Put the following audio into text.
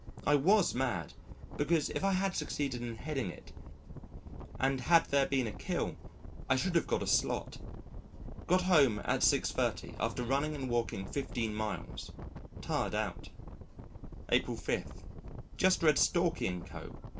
I was mad, because if I had succeeded in heading it and had there been a kill, I should have got a slot. Got home at 6.30, after running and walking fifteen miles tired out. April 5. Just read Stalky & Co.